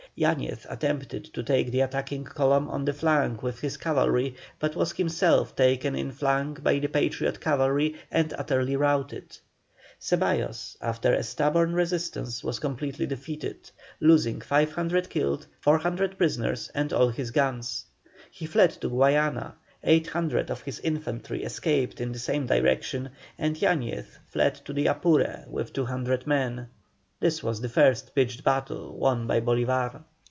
Yañez attempted to take the attacking column on the flank with his cavalry, but was himself taken in flank by the Patriot cavalry, and utterly routed. Ceballos, after a stubborn resistance, was completely defeated, losing 500 killed, 400 prisoners, and all his guns. He fled to Guayana, 800 of his infantry escaped in the same direction, and Yañez fled to the Apure with 200 men. This was the first pitched battle won by Bolívar.